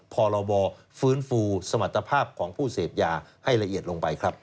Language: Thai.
พรบฟื้นฟูสมรรถภาพของผู้เสพยาให้ละเอียดลงไปครับ